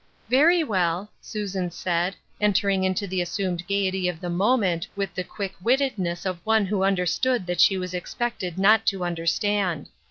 " Very well," Susan said, entering into the as sumed gaiety of the moment with the quick witted ness of one who understood that she was expected not to understand.